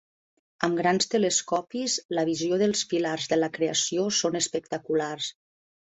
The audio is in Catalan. Amb grans telescopis la visió dels pilars de la creació són espectaculars.